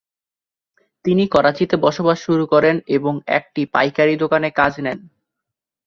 তিনি করাচিতে বসবাস শুরু করেন এবং একটি পাইকারি দোকানে কাজ নেন।